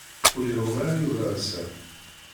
Ur iɛum ara Yuba ass-a.